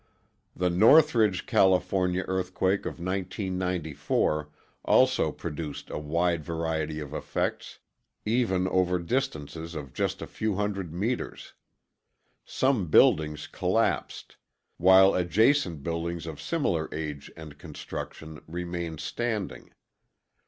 The Northridge, California, earthquake of 1994 also produced a wide variety of effects, even over distances of just a few hundred meters. Some buildings collapsed, while adjacent buildings of similar age and construction remained standing.